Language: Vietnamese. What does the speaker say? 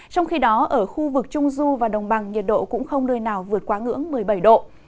trong khi đó ở khu vực trung du và đồng bằng nhiệt độ cũng không nơi nào vượt quá ngưỡng một mươi bảy độ